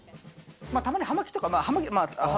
たまに葉巻とか。